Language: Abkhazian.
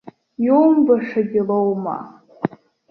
Иумбашагьы лоума!